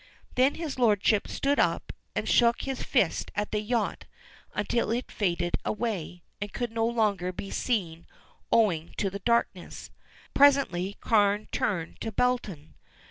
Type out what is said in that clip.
Then his lordship stood up, and shook his fist at the yacht until it had faded away, and could no longer be seen owing to the darkness. Presently Carne turned to Belton.